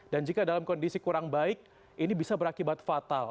dan jika dalam kondisi kurang baik ini bisa berakibat fatal